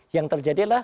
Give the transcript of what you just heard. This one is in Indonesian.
yang terjadi adalah